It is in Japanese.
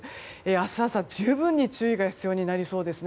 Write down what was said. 明日朝、十分に注意が必要になりそうですね。